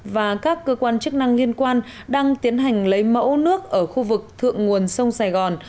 và các cơ quan chức năng liên quan đang tiến hành lấy mẫu nước ở khu vực thượng nguồn sông sài gòn